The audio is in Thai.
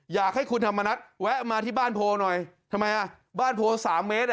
อยากให้คุณธรรมนัฐแวะมาที่บ้านโพลหน่อยทำไมอ่ะบ้านโพสามเมตรอ่ะ